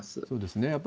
そうですね。